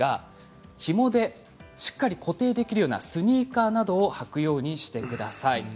ひもでしっかり固定できるようなスニーカーなどを履くようにしてください。